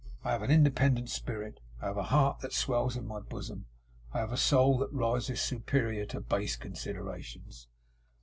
I have an independent spirit. I have a heart that swells in my bosom. I have a soul that rises superior to base considerations.